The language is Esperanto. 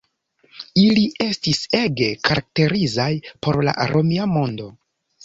Ili estis ege karakterizaj por la Romia mondo.